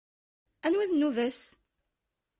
Anwa i d nnuba-s?